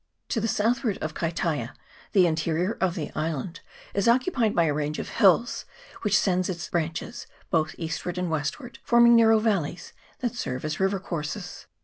To the southward of Kaitaia the interior of the island is occupied by a range of hills, which sends its branches both eastward and westward, forming narrow valleys that serve as river courses.